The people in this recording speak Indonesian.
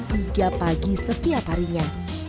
dan harus menikmati kue pagi setiap harinya